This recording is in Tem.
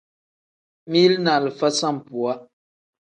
Mili ni alifa sambuwa.